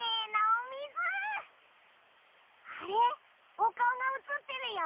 おかおがうつってるよ。